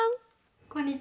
こんにちは。